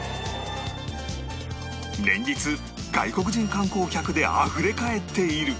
連日外国人観光客であふれ返っている